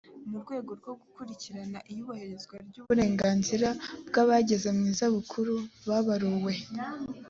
mu rwego rwo gukurikirana iyubahirizwa ry’uburenganzira bw’abageze mu zabukuru babaruwe